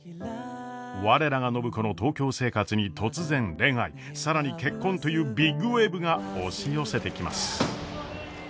我らが暢子の東京生活に突然恋愛更に結婚というビッグウエーブが押し寄せてきます。